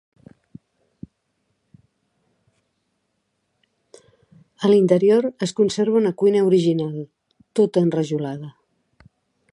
A l'interior es conserva una cuina original, tota enrajolada.